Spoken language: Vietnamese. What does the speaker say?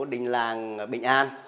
chỗ đinh làng bình an